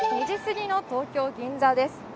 ２時す過ぎの東京・銀座です。